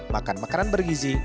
makan makanan bergizi